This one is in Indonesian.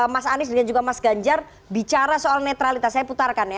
mas anies dan juga mas ganjar bicara soal netralitas saya putarkan ya